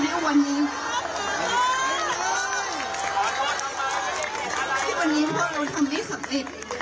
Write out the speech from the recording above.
ที่วันนี้พวกเราทำไม่สำเร็จ